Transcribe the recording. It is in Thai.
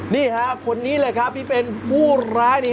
นี่ค่ะคนนี้เลยครับที่เป็นผู้ร้ายนี้